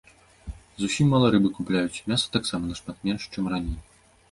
Зусім мала рыбы купляюць, мяса таксама нашмат менш, чым раней.